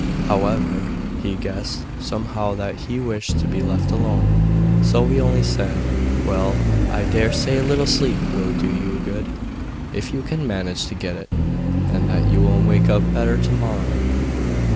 However, he guessed somehow that she wised to be left alone, so he only said: 'Well, I dare say a little sleep will do you good, if you can manage to get it, and that you will wake up better to morrow.